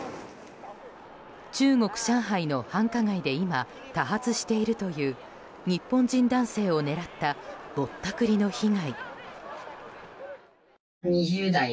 中国・上海の繁華街で今、多発しているという日本人男性を狙ったぼったくりの被害。